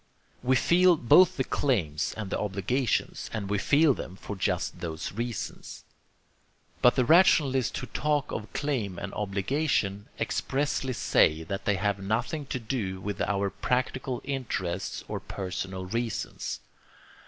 We feel both the claims and the obligations, and we feel them for just those reasons. But the rationalists who talk of claim and obligation EXPRESSLY SAY THAT THEY HAVE NOTHING TO DO WITH OUR PRACTICAL INTERESTS OR PERSONAL REASONS.